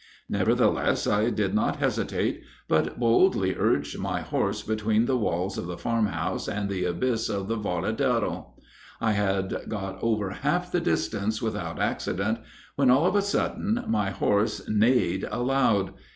Nevertheless, I did not hesitate, but boldly urged my horse between the walls of the farm house and the abyss of the Voladero. I had got over half the distance without accident, when, all of a sudden, my horse neighed aloud.